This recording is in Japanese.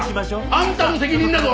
あんたの責任だぞ！